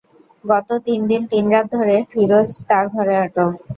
গত তিন দিন তিন রাত ধরে ফিরোজ তার ঘরে আটক।